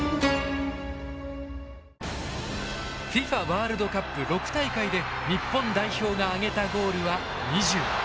ＦＩＦＡワールドカップ６大会で日本代表が挙げたゴールは２０。